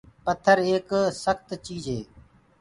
پٿر ايڪ سکت چيٚج هي۔